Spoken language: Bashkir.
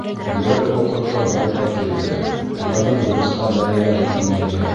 Федераль округтар барлыҡҡа килде, уларҙың бурыстар даирәһе киңәйҙе.